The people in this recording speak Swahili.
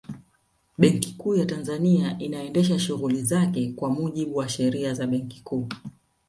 Benki Kuu ya Tanzania inaendesha shughuli zake kwa mujibu wa Sheria ya Benki Kuu